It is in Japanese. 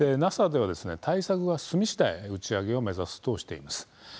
ＮＡＳＡでは対策が済み次第打ち上げを目指すとしています。